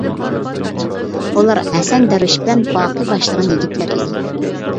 بۇلار ھەسەن دەرۋىش بىلەن باقى باشلىغان يىگىتلەر ئىدى.